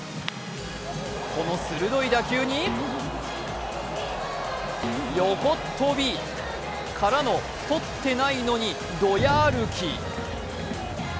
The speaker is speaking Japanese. この鋭い打球に横っ飛び！からの、取ってないのにドヤ歩き。